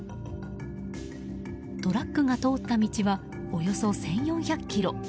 トラックが通った道はおよそ１４００ｋｍ。